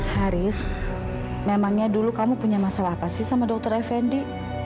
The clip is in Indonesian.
haris memangnya dulu kamu punya masalah apa sih sama dokter effendi